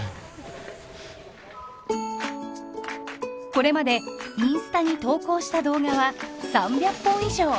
これまでインスタに投稿した動画は３００本以上。